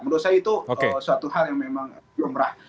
menurut saya itu suatu hal yang memang lumrah